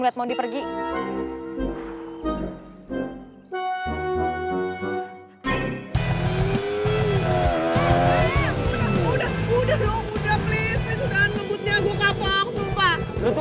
udah udah udah udah please itu dan lembutnya gua kapok sumpah untuk